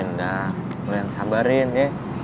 nggak lo yang sabarin ya